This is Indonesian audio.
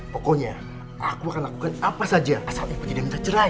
pokoknya aku akan lakukan apa saja asal ibu tidak minta cerai